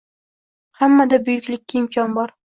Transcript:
Hammada buyuklikka imkon bor